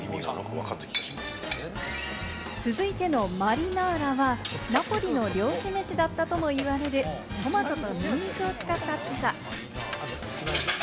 続いてのマリナーラは、ナポリの漁師メシだったとも言われるトマトとニンニクを使ったピザ。